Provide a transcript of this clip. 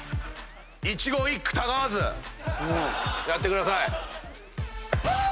一言一句たがわずやってください。